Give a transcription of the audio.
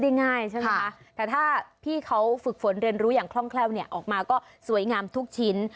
ง่ายใช่ไหมคะแต่ถ้าพี่เขาฝึกฝนเรียนรู้อย่างคล่องแคล่วเนี่ยออกมาก็สวยงามทุกชิ้น